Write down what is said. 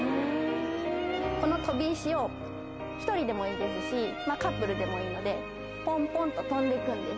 この飛び石を、１人でもいいですし、カップルでもいいので、ぽんぽんと飛んでいくんです。